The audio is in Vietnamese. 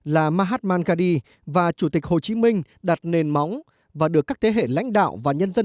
là mahatm mangadi và chủ tịch hồ chí minh đặt nền móng và được các thế hệ lãnh đạo và nhân dân